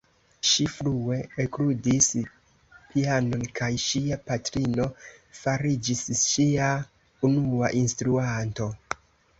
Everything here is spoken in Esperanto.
Ŝi frue ekludis pianon kaj ŝia patrino fariĝis ŝia unua instruanto.